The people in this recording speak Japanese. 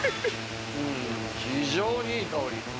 非常にいい香り。